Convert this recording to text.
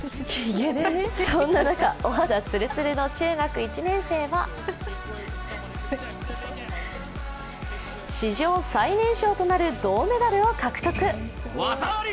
そんな中、お肌つるつるの中学１年生は、史上最年少となる銅メダルを獲得。